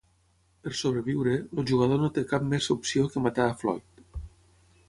Per sobreviure, el jugador no té cap més opció que matar a Floyd.